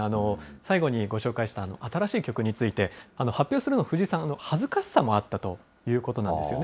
最後にご紹介した新しい曲について、発表するの、藤井さん、恥ずかしさもあったということなんですよね。